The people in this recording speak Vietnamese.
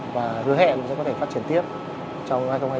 và đối hẹn sẽ có thể phát triển tiếp trong năm hai nghìn hai mươi bốn